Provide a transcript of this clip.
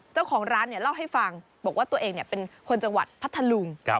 เจ้าของร้านเล่าให้ฟังบอกว่าตัวเองเป็นคนจังหวัดพัทธลุง